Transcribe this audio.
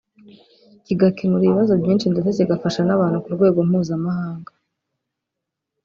kigakemura ibibazo byinshi ndetse kigafasha n’abantu ku rwego mpuzamahanga